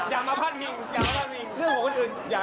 ทั้งเป็นฟันธมศา